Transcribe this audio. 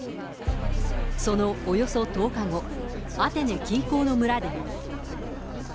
そのおよそ１０日後、アテネ近郊の村でも。